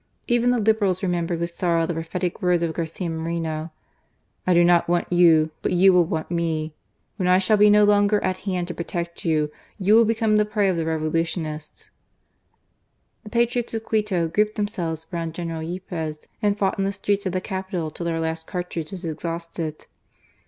Even the Liberals remembered with sorrow the prophetic words of Garcia Moreno :" I do not want you, but you will want me. When I shall be no longer at hand to protect you, you will become the prey of the Revolutionists," The patriots of Quito grouped themselves round General Yepez and fought in the streets of the capital till their last cartridge was exhausted.